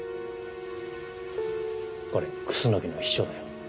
これ楠木の秘書だよ。